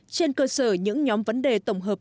trên cơ sở những nhóm vấn đề tổng hợp